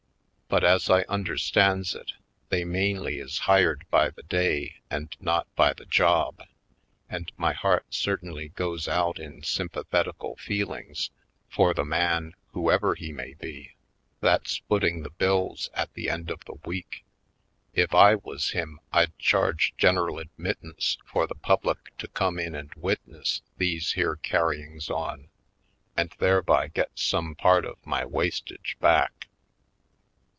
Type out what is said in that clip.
But as I understands it, they mainly is hired by the day and not by the job, and my heart certainly goes out in sympathetical feelings for the man, whoever he may be, that's foot 124 /. Poindexter^ Colored ing the bills at the end of the week. If I was him I'd charge general admittance for the public to come in and witness these here carryings on, and thereby get some part of my wastage back.